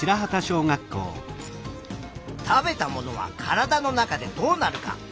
「食べたものは体の中でどうなるか」。